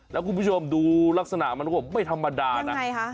แล้วคุณผู้ชมดูลักษณะมันก็ไม่ธรรมดานะ